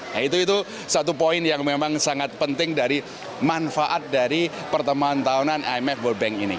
nah itu satu poin yang memang sangat penting dari manfaat dari pertemuan tahunan imf world bank ini